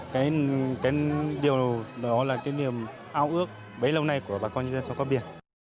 cái điều đó là cái niềm ao ước bấy lâu nay của bà con nhân dân xóm cao biển